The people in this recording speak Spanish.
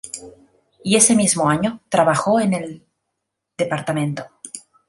Y ese mismo año, trabajó en el Dto.